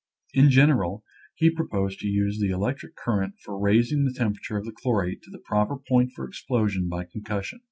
In general, he proposed to use the electric current for raising the temperature of the chlorate to the proper point for explosion by concussion.